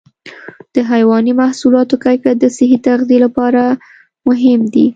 د حيواني محصولاتو کیفیت د صحي تغذیې لپاره مهم دی.